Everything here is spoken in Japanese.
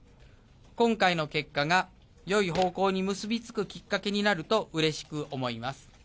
今回の結果が、よい方向に結び付くきっかけになるとうれしく思います。